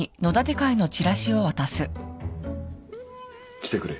来てくれ。